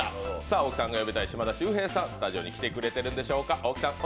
大木さんが呼びたい島田秀平さん、来てくれてるでしょうか。